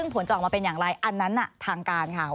ผลจะออกมาเป็นอย่างไรอันนั้นทางการค่ะ